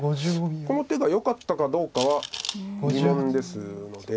この手がよかったかどうかは疑問ですので。